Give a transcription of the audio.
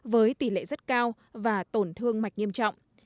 với tỷ lệ rất cao và tổn thương mạch nghiêm trọng